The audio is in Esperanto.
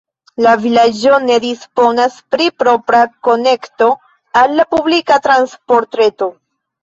La vilaĝo ne disponas pri propra konekto al la publika transportreto.